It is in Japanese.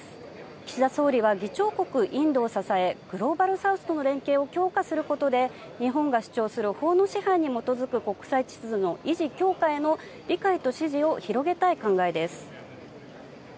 岸田総理は議長国インドを支え、グローバル・サウスとの連携を強化することで、日本が主張する法の支配に基づく国際秩序の維持・強化への理解と支持を広げたい考えです。